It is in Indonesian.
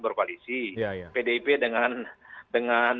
berkoalisi pdip dengan